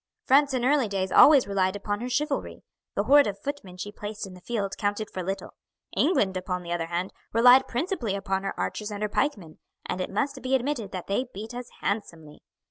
"France in early days always relied upon her chivalry. The horde of footmen she placed in the field counted for little. England, upon the other hand, relied principally upon her archers and her pikemen, and it must be admitted that they beat us handsomely.